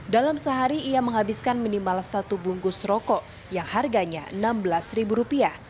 dalam sehari ia menghabiskan minimal satu bungkus rokok yang harganya rp enam belas